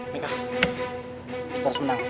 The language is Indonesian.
meka kita harus menang